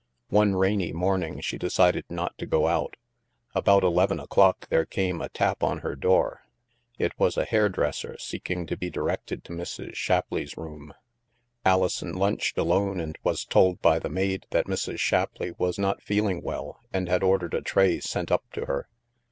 One rainy morning she decided not to go out. About eleven o'clock there came a tap on her door. It was a hairdresser seeking to be directed to Mrs. Shapleigh's room. Alison lunched alone and was told by the maid that Mrs. Shapleigh was not feeling well and had ordered a tray sent up to her.